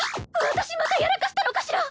私またやらかしたのかしら？